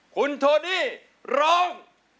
คุณโทนี่ร้อง